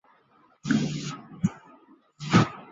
本乡最重要的景点是圣奥斯瓦尔德教堂。